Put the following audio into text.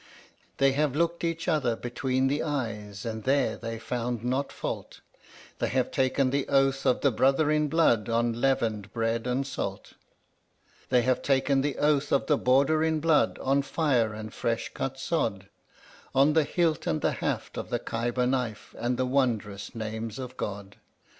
They have looked each other between the eyes, and there they found no fault, They have taken the Oath of the Brother in Blood on leavened bread and salt: They have taken the Oath of the Brother in Blood on fire and fresh cut sod, On the hilt and the haft of the Khyber knife, and the Wondrous Names of God.